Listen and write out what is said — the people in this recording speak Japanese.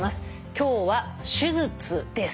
今日は手術です。